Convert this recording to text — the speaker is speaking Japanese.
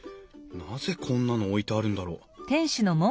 なぜこんなの置いてあるんだろう？